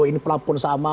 ini pelabur sama